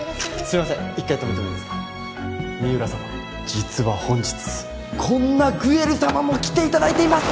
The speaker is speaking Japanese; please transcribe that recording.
実は本日こんなグエル様も来ていただいています